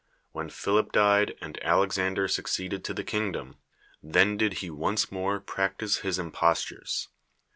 AVhen Phili]~) died and Alexander succeeded to the kingdo; ii, thi'ii did he once more ]>raelise his im])ostures.